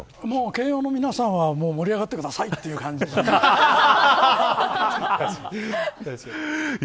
慶応の皆さんは盛り上がってくださいという感じですね。